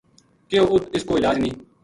کہیو ات اس کو علاج نیہہ